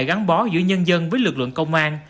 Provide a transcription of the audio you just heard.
gắn bó giữa nhân dân với lực lượng công an